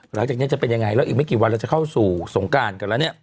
หลังจากนี้จะเป็นยังไงแล้วอีกไม่กี่วันเราจะเข้าสู่สงการกันแล้วเนี่ย